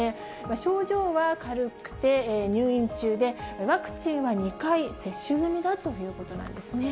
症状は軽くて、入院中で、ワクチンは２回接種済みだということなんですね。